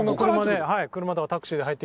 車とかタクシーで入って来て。